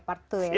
part dua ya